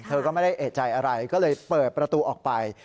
เธอก็ไม่ได้เอกใจอะไรก็เลยเปิดประตูออกไป